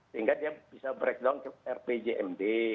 sehingga dia bisa breakdown ke rpjmd